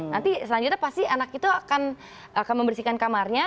nanti selanjutnya pasti anak itu akan membersihkan kamarnya